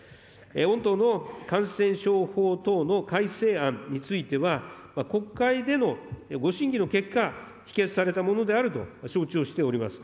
御党の感染症法等の改正案については、国会でのご審議の結果、否決されたものであると承知をしております。